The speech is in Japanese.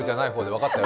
分かったよ。